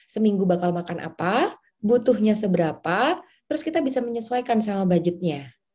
seminggu bakal makan apa butuhnya seberapa terus kita bisa menyesuaikan sama budgetnya